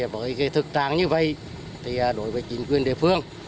với thực trạng như vậy đối với chính quyền địa phương